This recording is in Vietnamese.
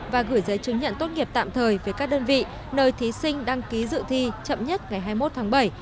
và gửi giấy chứng nhận tốt nghiệp tạm thời với các đơn vị nơi thí sinh đăng ký dự thi chậm nhất ngày hai mươi một tháng bảy